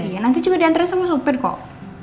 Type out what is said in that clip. iya nanti juga diantarin sama sopir kok